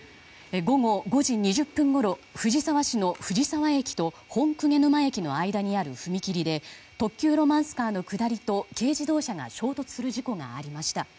午後５時２０分ごろ藤沢市の藤沢駅と本鵠沼駅の間にある踏切で特急ロマンスカーの下りと軽自動車が衝突する事故がありました。